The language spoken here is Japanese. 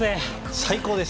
最高です。